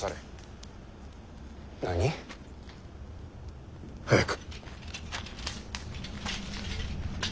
何？早く。